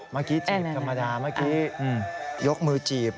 เมื่อกี้จีบธรรมดาเมื่อกี้ยกมือจีบ